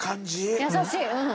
優しいうん。